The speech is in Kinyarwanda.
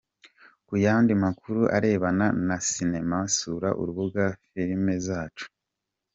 Ku yandi makuru arebana na Sinema sura urubuga Filmzacu.